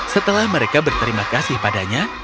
setelah mereka berterima kasih padanya